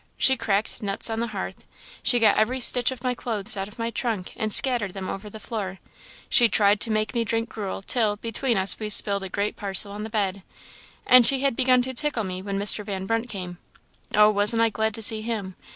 She cracked nuts on the hearth; she got every stitch of my clothes out of my trunk, and scattered them over the floor; she tried to make me drink gruel, till, between us we spilled a great parcel on the bed; and she had begun to tickle me when Mr. Van Brunt came. Oh! wasn't I glad to see him!